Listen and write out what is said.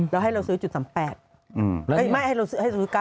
แล้วให้เราซื้อจุด๓๘ไม่ให้เราซื้อจุด๓๙